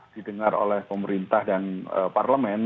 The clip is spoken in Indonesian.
didengar oleh pemerintah dan parlemen